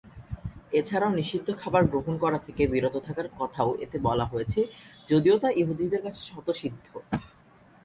এছাড়াও নিষিদ্ধ খাবার গ্রহণ করা থেকে বিরত থাকার কথাও এতে বলা হয়েছে যদিও তা ইহুদিদের কাছে স্বতঃসিদ্ধ।